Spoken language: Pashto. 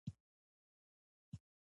زه اوس په کور یمه، روزګار نه لرم.